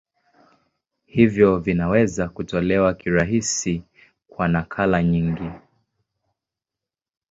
Hivyo vinaweza kutolewa kirahisi kwa nakala nyingi.